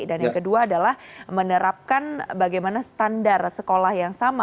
dan yang kedua adalah menerapkan bagaimana standar sekolah yang sama